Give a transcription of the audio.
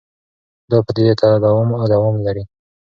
دا پدیدې تداوم او دوام لري.